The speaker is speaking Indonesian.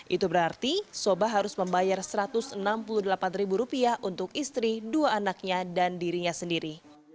itu berarti soba harus membayar rp satu ratus enam puluh delapan untuk istri dua anaknya dan dirinya sendiri